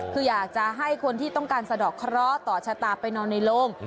คืออยากจะให้คนที่ต้องการสะดอกเคราะห์ต่อชะตาไปนอนในโรง